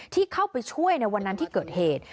ที่เข้าไปช่วยในวันนั้นที่เกิดเหตุ